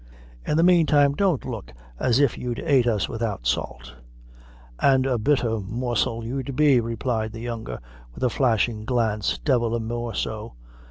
In the mean time don't look as if you'd ait us widout salt." "An' a bitter morsel you'd be," replied the younger, with a flashing glance "divil a more so.